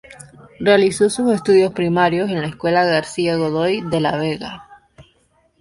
Realizó sus estudios primarios en la Escuela García Godoy de La Vega.